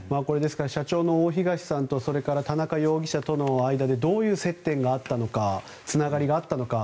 社長の大東さんとそれから田中容疑者との間にどういう接点があったのかつながりがあったのか。